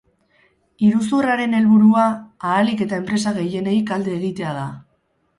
Iruzurraren helburua, ahalik eta enpresa gehienei kalte egitea da.